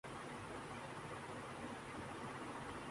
Bali would king Arnold Schwarzenegger جلد افریقہ کاسفر کریں گے